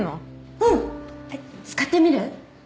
うん使ってみる？